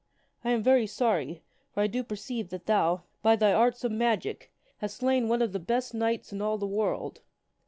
I am very sorry, for I do perceive that thou, by thy arts of magic, hath slain one of the best knights in all the world."